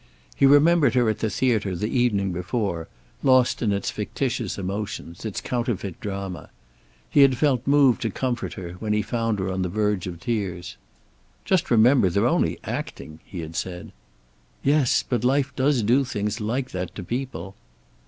He remembered her at the theater the evening before, lost in its fictitious emotions, its counterfeit drama. He had felt moved to comfort her, when he found her on the verge of tears. "Just remember, they're only acting," he had said. "Yes. But life does do things like that to people."